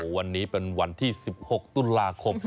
วันนี้เป็นวันที่๑๖ตุลาคม